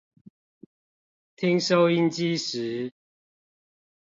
聽收音機時